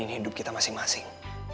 bisa sembunyi hidup kita masing masing